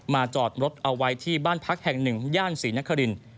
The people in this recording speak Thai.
มาจอดรถเอาไว้ที่บ้านพักแห่ง๑ย่านศรีนครินทร์